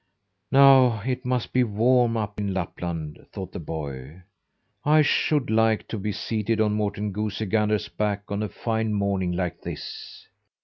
"Now it must be warm up in Lapland," thought the boy. "I should like to be seated on Morten Goosey Gander's back on a fine morning like this!